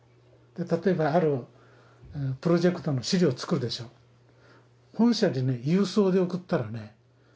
例えばあるプロジェクトの資料つくるでしょ本社にね郵送で送ったらね